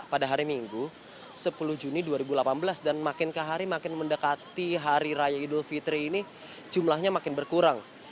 pada hari minggu sepuluh juni dua ribu delapan belas dan makin ke hari makin mendekati hari raya idul fitri ini jumlahnya makin berkurang